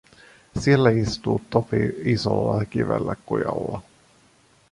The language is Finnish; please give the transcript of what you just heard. Siellä istuu Topi isolla kivellä kujalla.